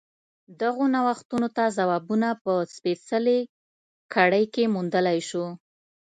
دغو پوښتنو ته ځوابونه په سپېڅلې کړۍ کې موندلای شو.